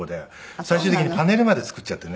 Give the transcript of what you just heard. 最終的にパネルまで作っちゃってね。